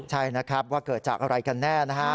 ใช่นะครับว่าเกิดจากอะไรกันแน่นะฮะ